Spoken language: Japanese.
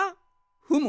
ふむ。